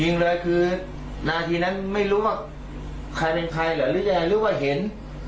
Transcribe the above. ยิงเลยคือนาทีนั้นไม่รู้ว่าใครเป็นใครเหรอหรือยังไงหรือว่าเห็น